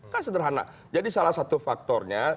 kan sederhana jadi salah satu faktornya